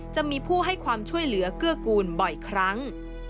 จะมีผู้ให้ความช่วยเหลือเกื้อกูลบ่อยครั้ง